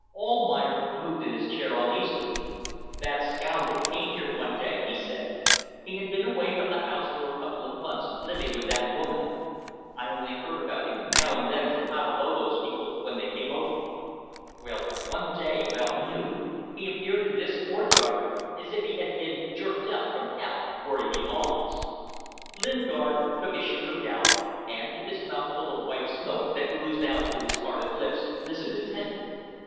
Almayer moved in his chair uneasily. "That scoundrel came here one day," he said. "He had been away from the house for a couple of months living with that woman. I only heard about him now and then from Patalolo's people when they came over. Well one day, about noon, he appeared in this courtyard, as if he had been jerked up from hell where he belongs." Lingard took his cheroot out, and, with his mouth full of white smoke that oozed out through his parted lips, listened, attentive.